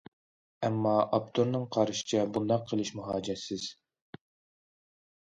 ئەمما ئاپتورنىڭ قارىشىچە، بۇنداق قىلىشمۇ ھاجەتسىز.